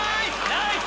ナイス！